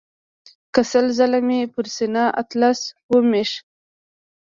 که سل ځله مې پر سینه اطلس ومیښ.